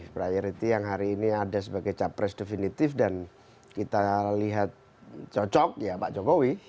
priority yang hari ini ada sebagai capres definitif dan kita lihat cocok ya pak jokowi